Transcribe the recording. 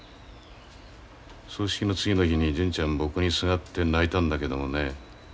葬式の次の日に純ちゃん僕にすがって泣いたんだけどもね